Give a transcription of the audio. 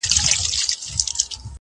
بدراتلونکی دې مستانه حال کي کړې بدل.